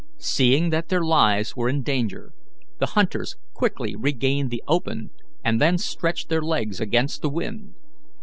Seeing that their lives were in danger, the hunters quickly regained the open, and then stretched their legs against the wind.